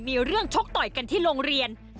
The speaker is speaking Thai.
มีเรื่องชกต่อยกันที่โรงเรียน